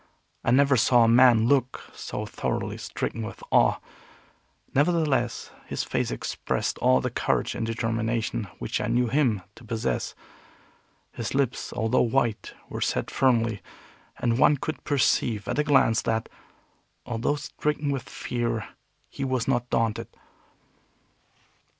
I never saw a man look so thoroughly stricken with awe. Nevertheless his face expressed all the courage and determination which I knew him to possess. His lips, although white, were set firmly, and one could perceive at a glance that, although stricken with fear, he was not daunted.